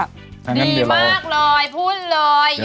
ดีมากเลยพูดเลย